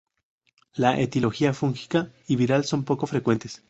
La etiología fúngica y viral son poco frecuentes.